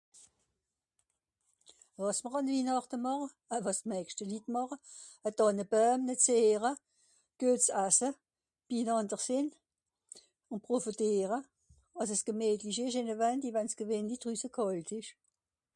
Wàs mr àn Wihnàchte màche, euh wàs d'mèischte Litt màche. e Dànneboem (...) guets asse, binànder sìnn, ùn profetìere, àss es gemìtlich ìsch (...) gewènli drüsse kàlt ìsch.